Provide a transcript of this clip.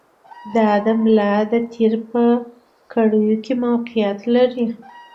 دا د ملا د تېر په کړیو کې موقعیت لري.